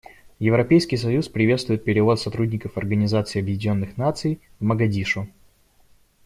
Европейский союз приветствует перевод сотрудников Организации Объединенных Наций в Могадишо.